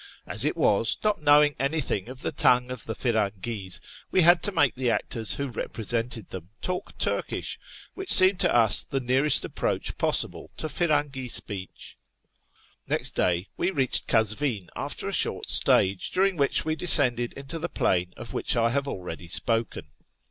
As it was, not knowing anything of the tongue of the 78 ./ YEAR AMONGST THE PERSIANS Firan<,'is, wo had In make tlic actors wlio represented them talk Turkisli, Avhich seemed to us the nearest approach possible to Firangi speech." Xext day we reached Kazvi'u after a shurt stage, during which we descended into the i^lain of which I have already spoken.